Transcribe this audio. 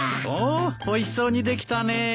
おおおいしそうにできたね。